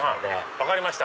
分かりました。